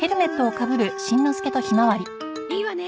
いいわね？